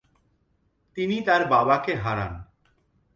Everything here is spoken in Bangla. তিনি তার বাবাকে হারান।